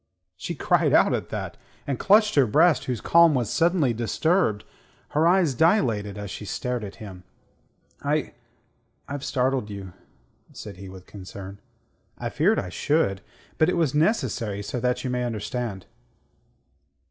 She cried out at that, and clutched her breast whose calm was suddenly disturbed. Her eyes dilated as she stared at him. "I... I've startled you," said he, with concern. "I feared I should. But it was necessary so that you may understand."